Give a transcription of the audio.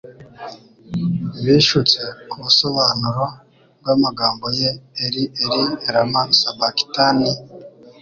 Bishutse ku busobanuro bw'amagambo ye Eli, Eli, Lama Sabakitani?"